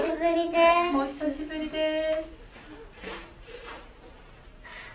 お久しぶりです。